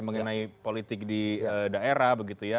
mengenai politik di daerah begitu ya